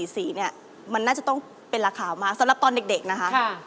สีเนี่ยมันน่าจะต้องเป็นราคามากสำหรับตอนเด็กนะคะ